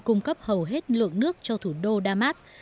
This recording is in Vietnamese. cung cấp hầu hết lượng nước cho thủ đô damas